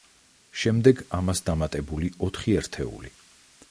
შემდეგ ამას დამატებული ოთხი ერთეული.